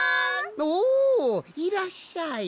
おおいらっしゃい。